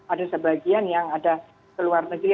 ada sebagian yang ada ke luar negeri